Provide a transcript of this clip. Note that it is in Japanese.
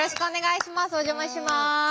お邪魔します。